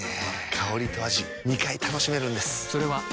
香りと味２回楽しめるんです。